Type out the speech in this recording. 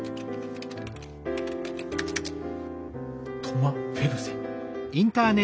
トマ・フェルセン。